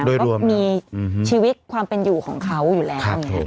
ก็มีชีวิตความเป็นอยู่ของเขาอยู่แล้ว